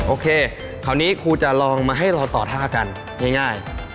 โอเคคราวนี้ครูจะลองมาให้เราต่อท่ากันง่าย